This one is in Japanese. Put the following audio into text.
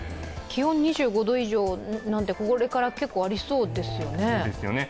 気温２５度以上なんて、これから結構ありそうですよね。